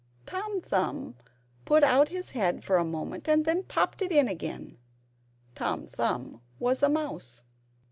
Tom Thumb put out his head for a moment, and then popped it in again. Tom Thumb was a mouse.